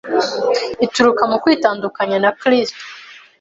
ituruka mu kwitandukanya na Kristo.